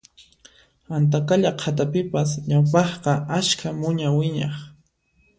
Antaqalla qhatapipas ñawpaqqa ashka muña wiñaq